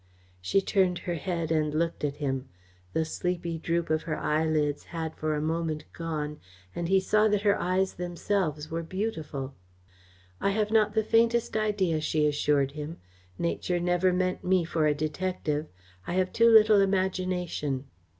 She turned her head and looked at him. The sleepy droop of her eyelids had for a moment gone, and he saw that her eyes themselves were beautiful. "I have not the faintest idea," she assured him. "Nature never meant me for a detective. I have too little imagination."